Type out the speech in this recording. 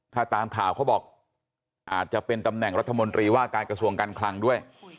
ถ้าตามข่าวเขาบอกอาจจะเป็นตำแหน่งรัฐมนตรีว่าการกระทรวงการคลังด้วย